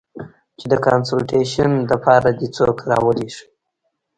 چې د کانسولټېشن د پاره دې څوک ارولېږي.